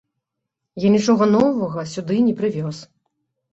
Я нічога новага сюды не прывёз.